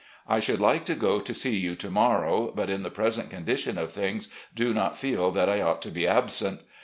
I should like to go to see you to morrow, but in the present condition of things do not feel that I ought to be absent.